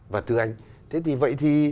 và thưa anh thế thì vậy thì